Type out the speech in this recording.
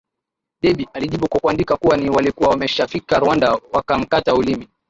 Debby alijibu kwa kuandika kuwa ni walikuwa wameshafika Rwanda wakamkata ulimi